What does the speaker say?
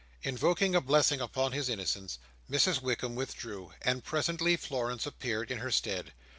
Invoking a blessing upon his innocence, Mrs Wickam withdrew, and presently Florence appeared in her stead.